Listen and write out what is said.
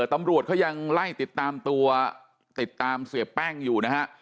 ตำรวจเขายังไล่ติดตามตัวติดตามเสียแป้งอยู่นะฮะ